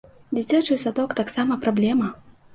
Дзіцячы садок таксама праблема.